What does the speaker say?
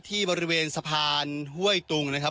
ที่บริเวณสะพานห้วยตุงนะครับ